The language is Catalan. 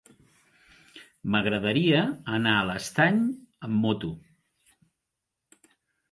M'agradaria anar a l'Estany amb moto.